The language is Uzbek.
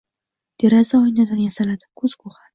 Deraza-oynadan yasaladi. Ko’zgu ham.